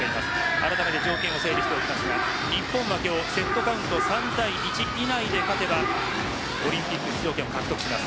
あらためて条件を整理しますが日本が今日セットカウント３−１以内で勝てばオリンピック出場権を獲得します。